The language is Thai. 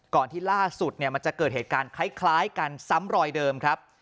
ที่ล่าสุดมันจะเกิดเหตุการณ์คล้ายกันซ้ำรอยเดิมครับ